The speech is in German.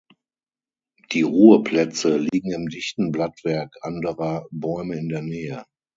Die Ruheplätze liegen im dichten Blattwerk anderer Bäume in der Nähe.